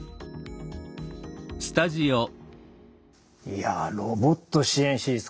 いやロボット支援手術